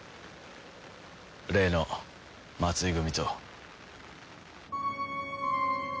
例の松井組と。